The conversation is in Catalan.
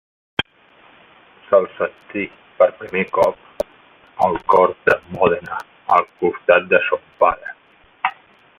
Se'l sentí per primer cop al cor de Mòdena al costat de son pare.